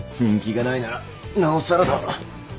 人気がないならなおさらだわ。